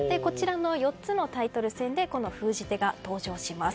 ４つのタイトル戦で封じ手が登場します。